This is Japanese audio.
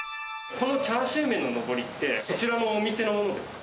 このチャーシューメンののぼりってこちらのお店のものですか？